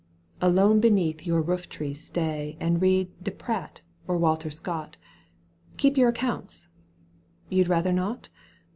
Alone beneath your rooftree stay And read De Pradt or Walter Scott !*^ Keep your accounts ! You'd rather not